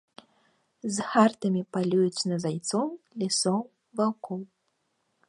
З хартамі палююць на зайцоў, лісоў, ваўкоў.